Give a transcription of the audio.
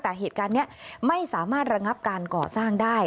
แต่เหตุการณ์นี้ไม่สามารถระงับการก่อสร้างได้